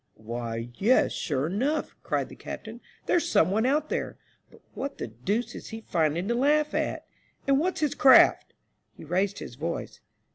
Why, yes; sure enough," cried the captain, "there's some one out there ; but what the deuce is he finding to laugh at, and what's his craft ?" He raised his voice.